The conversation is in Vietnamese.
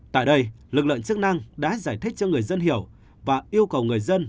tại đây lực lượng chức năng đã giải thích cho người dân hiểu và yêu cầu người dân